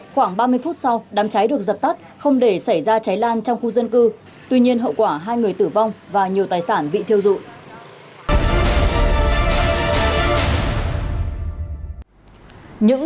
khoảng ba mươi phút sau đám cháy được dập tắt không để xảy ra cháy lan trong khu dân cư tuy nhiên hậu quả hai người tử vong và nhiều tài sản bị thiêu dụi